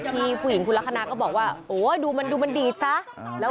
พี่ผู้หญิงคุณลักษณะก็บอกว่าโอ้ดูมันดูมันดีดซะแล้ว